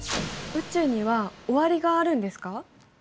宇宙には終わりがあるんですか？